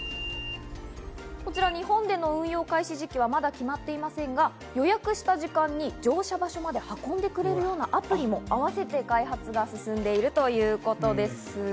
こちら日本での運用開始時期はまだ決まっていませんが予約した時間に乗車場所まで運んでくれるアプリの開発が進んでいるということです。